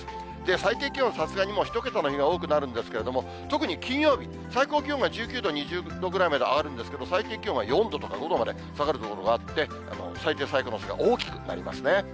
最低気温、さすがにもう１桁の日が多くなるんですけれども、特に金曜日、最高気温が１９度、２０度ぐらいまで上がるんですけれども、最低気温は４度とか５度まで下がる所があって、最低、最高の差が大きくなりますね。